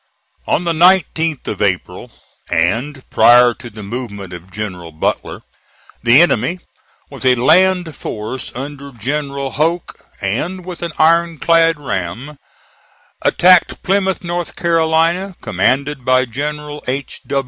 On the 19th of April, and prior to the movement of General Butler, the enemy, with a land force under General Hoke and an iron clad ram, attacked Plymouth, N. C., commanded by General H.